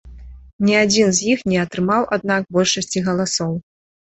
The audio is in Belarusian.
Ні адзін з іх не атрымаў, аднак, большасці галасоў.